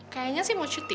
kayaknya sih mau cuti